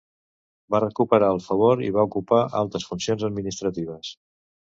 Va recuperar el favor i va ocupar altes funcions administratives.